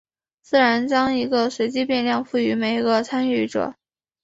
自然将一个随机变量赋予每个参与者。